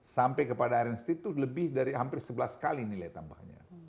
sampai kepada rnstee itu lebih dari hampir sebelas kali nilai tambahnya